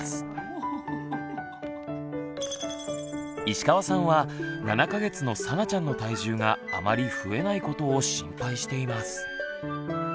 石川さんは７か月のさなちゃんの体重があまり増えないことを心配しています。